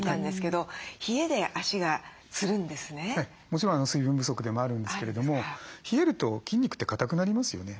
もちろん水分不足でもあるんですけれども冷えると筋肉って硬くなりますよね